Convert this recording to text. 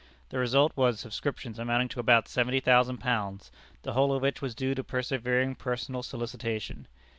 The result was, subscriptions amounting to about seventy thousand pounds, the whole of which was due to persevering personal solicitation.